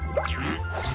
ん？